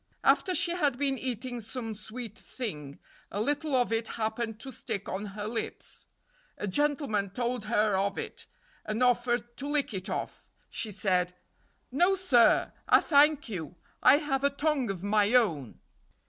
After she had been eating some sweet thing a little of it happened to stick on her lips. A gentleman told her of it, and offered to lick it off. She said: "No, sir, I thank you; I have a tongue of my own."